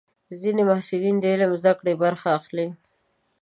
ځینې محصلین د عملي زده کړو برخه اخلي.